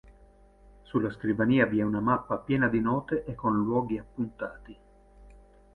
Sulla scrivania vi è una mappa piena di note e con luoghi appuntati.